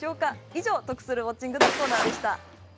以上、得するウォッチングのコーナーでした。